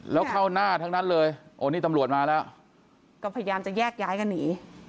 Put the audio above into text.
แล้วเข้าหน้าทั้งนั้นเลยโอ้นี่ตำรวจมาแล้วก็พยายามจะแยกย้ายกันหนี